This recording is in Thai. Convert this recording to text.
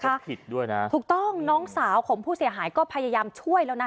ถ้าผิดด้วยนะถูกต้องน้องสาวของผู้เสียหายก็พยายามช่วยแล้วนะ